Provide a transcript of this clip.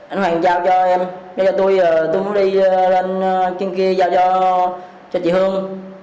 anh hoàng giao cho em với cho tôi tôi muốn đi lên trên kia giao cho chị hương